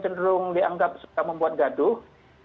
cenderung dianggap membuat gaduh